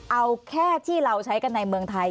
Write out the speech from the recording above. เอาแค่ที่เราใช้กันในเมืองไทย